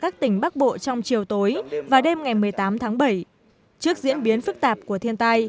các tỉnh bắc bộ trong chiều tối và đêm ngày một mươi tám tháng bảy trước diễn biến phức tạp của thiên tai